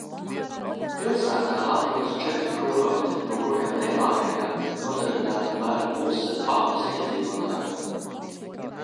Pilsētā atrodas četri kūrorti, no kuriem lielākajā nodarbināta apmēram puse Pafas iedzīvotāju.